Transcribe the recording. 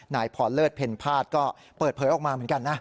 นายพรเลิศเพ็ญภาษก็เปิดเผยออกมาเหมือนกันนะ